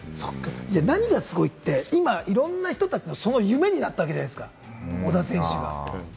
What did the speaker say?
何がすごいって、今いろんな人たちの夢になってるわけじゃないですか、小田選手が。